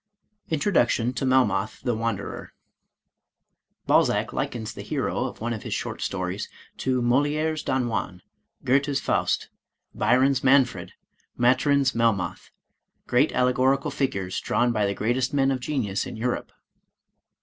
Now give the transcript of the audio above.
i6o Introduction to Melmoth the Wanderer Balzac likens the hero of one of his short stories to " Moli^re's Don Juan, Goethe's Faust, Byron's Manfred, Maturin's Melmoth — ^great allegorical figures drawn by the greatest men of genius in Europe.